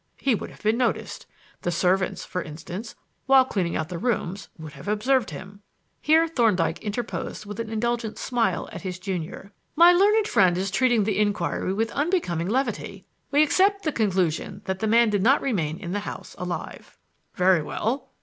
He would have been noticed. The servants, for instance, when cleaning out the rooms, would have observed him." Here Thorndyke interposed with an indulgent smile at his junior: "My learned friend is treating the inquiry with unbecoming levity. We accept the conclusion that the man did not remain in the house alive." "Very well.